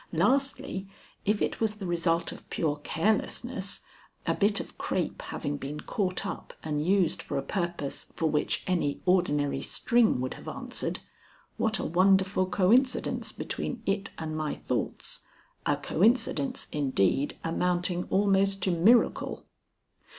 Lastly, if it was the result of pure carelessness, a bit of crape having been caught up and used for a purpose for which any ordinary string would have answered, what a wonderful coincidence between it and my thoughts, a coincidence, indeed, amounting almost to miracle!